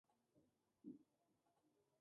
Lo poco agrada y lo mucho enfada